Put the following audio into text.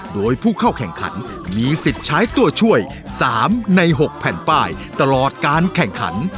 โดยผู้เข้าแข่งขันมีสิทธิ์ใช้ตัวช่วย๓ใน๖แผ่นป้ายตลอดการแข่งขัน